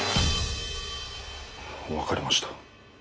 分かりました。